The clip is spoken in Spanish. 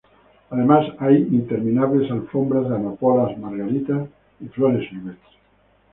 Además hay interminables alfombras de amapolas, margaritas y flores silvestres.